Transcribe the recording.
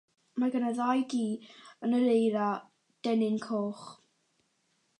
Mae gan y ddau gi yn yr eira dennyn coch.